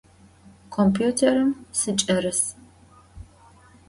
Kompütêrım sıç'erıs.